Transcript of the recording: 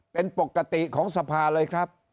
เป็นปกติของสภาเลยครับ